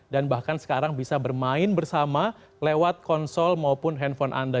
dan bahkan sekarang bisa bermain bersama lewat konsol maupun handphone anda